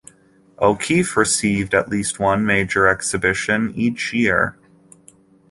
O'Keeffe received at least one major exhibition each year.